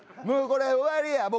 もうこれ終わりや。